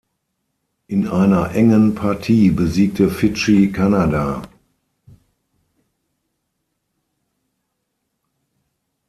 In einer engen Partie besiegte Fidschi Kanada.